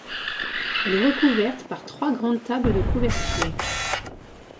Elle est recouverte par trois grandes tables de couverture.